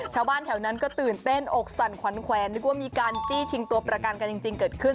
ชาวบ้านแถวนั้นก็ตื่นเต้นอกสั่นขวัญแขวนนึกว่ามีการจี้ชิงตัวประกันกันจริงเกิดขึ้น